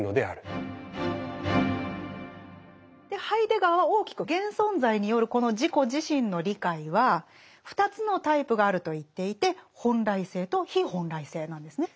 ハイデガーは大きく現存在によるこの自己自身の理解は２つのタイプがあると言っていて「本来性」と「非本来性」なんですね。